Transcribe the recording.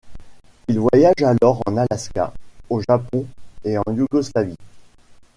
Il voyage alors en Alaska, au Japon et en Yougoslavie.